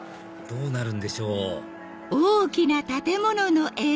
どうなるんでしょう